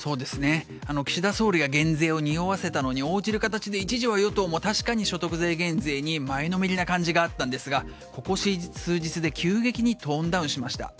岸田総理が減税をにおわせたのに応じる形で一時は与党も所得税減税に前のめりな感じがあったんですがここ数日で急激にトーンダウンしました。